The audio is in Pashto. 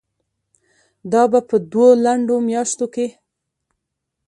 دا به په دوو لنډو میاشتو کې